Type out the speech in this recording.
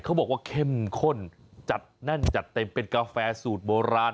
เขาบอกว่าเข้มข้นจัดแน่นจัดเต็มเป็นกาแฟสูตรโบราณ